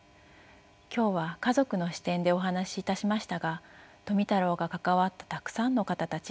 今日は家族の視点でお話しいたしましたが富太郎が関わったたくさんの方たち